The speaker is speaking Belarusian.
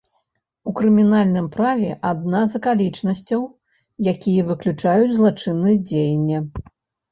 У крымінальным праве адна з акалічнасцяў, якія выключаюць злачыннасць дзеяння.